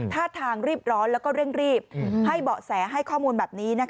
ท่าทางรีบร้อนแล้วก็เร่งรีบให้เบาะแสให้ข้อมูลแบบนี้